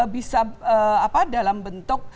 bisa dalam bentuk